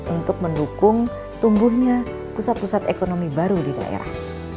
untuk mendukung tumbuhnya pusat pusat ekonomi baru di daerah